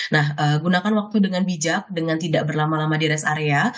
nah gunakan waktu dengan bijak dengan tidak berlama lama di rest area